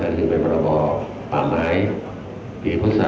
ก็คือเป็นประบอบป่าไม้ปีพศข